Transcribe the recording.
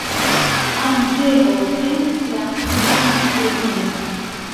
Andreo prenis la trian remilon.